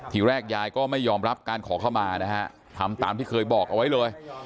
ทีแรกยายก็ไม่ยอมรับการขอเข้ามานะฮะทำตามที่เคยบอกเอาไว้เลย